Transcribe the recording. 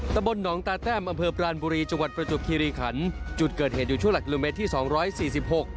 ตะบนหนองตาแต้มอำเภอปรานบุรีจังหวัดประจวบคีรีขันจุดเกิดเหตุอยู่ช่วงหลักกิโลเมตรที่สองร้อยสี่สิบหก